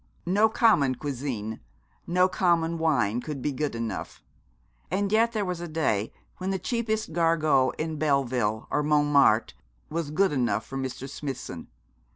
No common cuisine, no common wine could be good enough; and yet there was a day when the cheapest gargote in Belleville or Montmartre was good enough for Mr. Smithson.